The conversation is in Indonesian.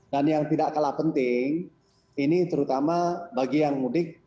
dan yang tidak kalah penting ini terutama bagi yang mudik